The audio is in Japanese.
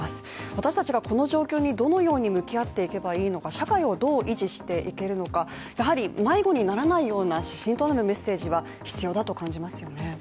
私たちがこの状況にどのように向き合っていけばいいのか社会をどう維持していけるのか迷子にならないような指針となるメッセージは必要だと考えますよね。